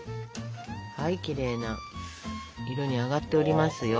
きれいな色に揚がっておりますよ。